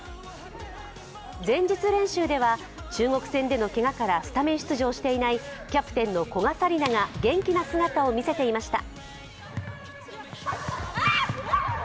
前日練習では中国戦でのけがからスタメン出場していないキャプテンの古賀紗理那が元気な姿を見せていました。